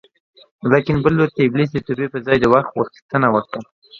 لاکن بل لور ته ابلیس د توبې په ځای د وخت غوښتنه وکړه